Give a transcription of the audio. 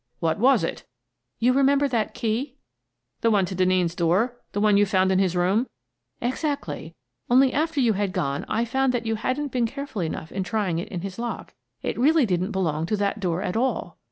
"What was it?" " You remember that key ?" "The one to Denneen's door? The one you found in his room ?"" Exactly. Only after you had gone I found that you hadn't been careful enough in trying it in his lock. It really didn't belong to that door at all."